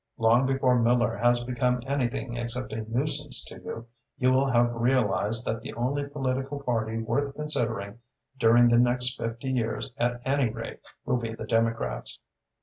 "Long before Miller has become anything except a nuisance to you, you will have realised that the only political party worth considering, during the next fifty years, at any rate, will be the Democrats.